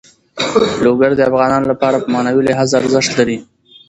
لوگر د افغانانو لپاره په معنوي لحاظ ارزښت لري.